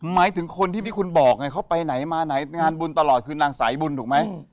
หมายถึงคนที่ที่คุณบอกไงเขาไปไหนมาไหนงานบุญตลอดคือนางสายบุญถูกไหม